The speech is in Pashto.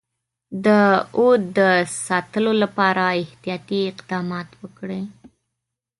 د اَوَد د ساتلو لپاره احتیاطي اقدامات وکړي.